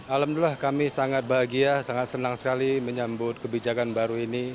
alhamdulillah kami sangat bahagia sangat senang sekali menyambut kebijakan baru ini